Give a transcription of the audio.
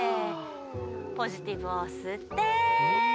ポジティブをすって。